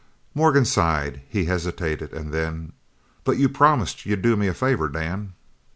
Morgan sighed; he hesitated, and then: "But you promised you'd do me a favour, Dan?"